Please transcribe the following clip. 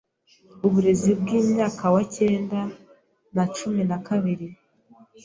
uburezi bw’imyaka wa cyenda na cumin a kabiri